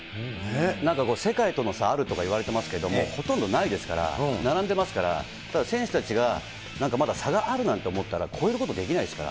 なんか世界との差あるとか言われていますけれども、ほとんどないですから、並んでいますから、ただ、選手たちがなんかまだ差があるなんて思ったら、超えることできないですから。